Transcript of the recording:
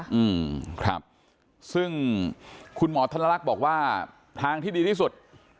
อืมครับซึ่งคุณหมอธนลักษณ์บอกว่าทางที่ดีที่สุด